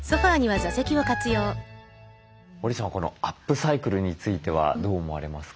織さんこのアップサイクルについてはどう思われますか？